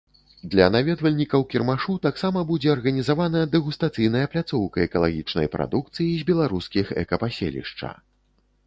Для наведвальнікаў кірмашу таксама будзе арганізавана дэгустацыйная пляцоўка экалагічнай прадукцыі з беларускіх экапаселішча.